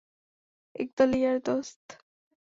একদল ইয়ার দোস্ত।